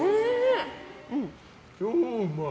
超うまい。